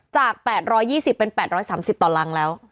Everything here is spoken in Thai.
จาก๘๒๐เป็น๘๓๐ต่อรังแล้ว